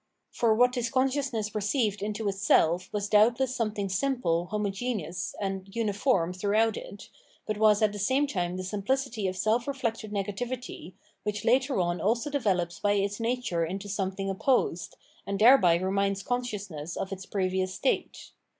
For what this consciousness received into itself was doubtless something simple, homogeneous, and uniform through out it, but was at the same time the simplicity of self reflected negativity, which later on also develops by its nature into something opposed, and thereby reminds consciousness of its previous state.